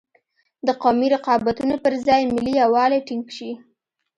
د قومي رقابتونو پر ځای ملي یوالی ټینګ شي.